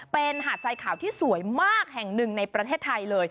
เป็นหาดทรายขาวที่สวยมากแห่งหนึ่งในประเทศไทยเลย